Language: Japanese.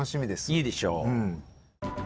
いいでしょう。